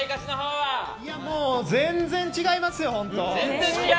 もう全然違いますよ。